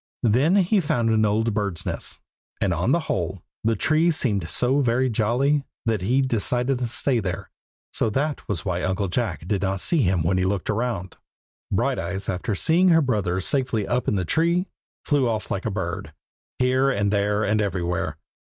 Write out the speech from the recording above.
Then he found an old bird's nest; and on the whole, the tree seemed so very "jolly" that he decided to stay there; so that was why Uncle Jack did not see him when he looked round. Brighteyes, after seeing her brother safely up in the tree, flew off like a bird, here and there and everywhere.